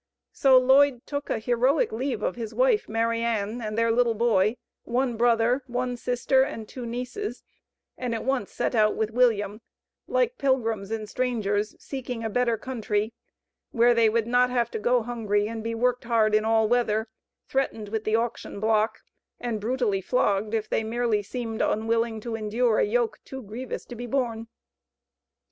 So Lloyd took a heroic leave of his wife, Mary Ann, and their little boy, one brother, one sister, and two nieces, and at once set out with William, like pilgrims and strangers seeking a better country where they would not have to go "hungry" and be "worked hard in all weather," threatened with the auction block, and brutally flogged if they merely seemed unwilling to endure a yoke too grievous to be borne.